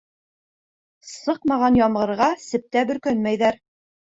Сыҡмаған ямғырға септә бөркәнмәйҙәр.